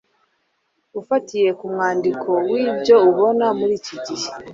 Ufatiye ku mwandiko n’ibyo ubona muri iki gihe,